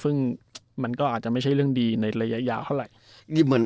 ซึ่งมันก็อาจจะไม่ใช่เรื่องดีในระยะยาวเท่าไหร่